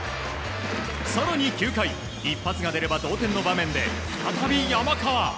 更に９回一発が出れば同点の場面で再び山川。